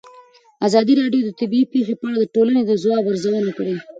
ازادي راډیو د طبیعي پېښې په اړه د ټولنې د ځواب ارزونه کړې.